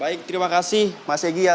baik terima kasih mas egy ya